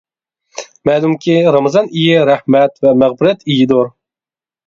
مەلۇمكى رامىزان ئېيى رەھمەت ۋە مەغپىرەت ئېيىدۇر.